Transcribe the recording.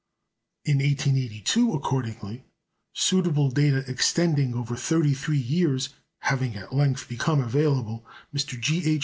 In 1882, accordingly, suitable data extending over thirty three years having at length become available, Mr. G. H.